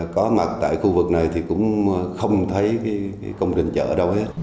có mặt tại khu vực này thì cũng không thấy cái công trình chợ đâu hết